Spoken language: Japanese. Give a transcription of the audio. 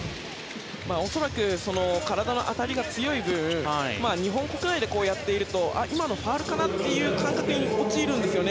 恐らく、体の当たりが強い分日本国内でやっていると今のファウルかな？という感覚に陥るんですよね。